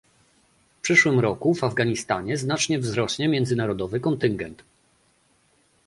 W przyszłym roku w Afganistanie znacznie wzrośnie międzynarodowy kontyngent